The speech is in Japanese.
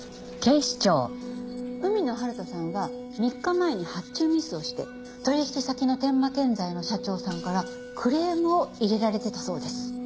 海野春人さんは３日前に発注ミスをして取引先の天馬建材の社長さんからクレームを入れられてたそうです。